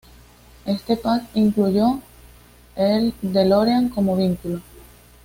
Este pack incluyó el DeLorean como vehículo.